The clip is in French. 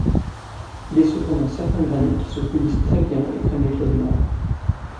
Il est cependant certains granits qui se polissent très-bien et prennent l'éclat du marbre.